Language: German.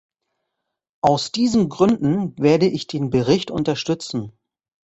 Aus diesen Gründen werde ich den Bericht unterstützen.